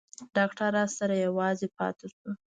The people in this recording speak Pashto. ډاکتر راسره يوازې پاته سو.